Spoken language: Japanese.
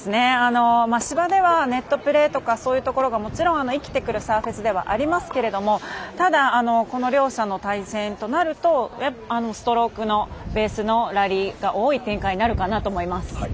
芝ではネットプレーとかそういうところがもちろん生きてくるサーフェスではありますけれどもただ、この両者の対戦となるとストロークのベースのラリーが多い展開になるかなと思います。